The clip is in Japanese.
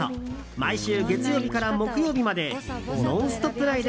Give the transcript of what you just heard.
毎週月曜日から木曜日まで「ノンストップ！」